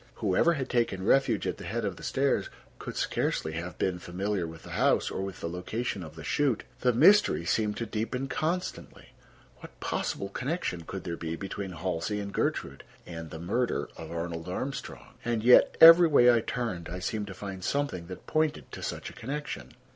Whoever had taken refuge at the head of the stairs could scarcely have been familiar with the house, or with the location of the chute. The mystery seemed to deepen constantly. What possible connection could there be between Halsey and Gertrude, and the murder of Arnold Armstrong? And yet, every way I turned I seemed to find something that pointed to such a connection.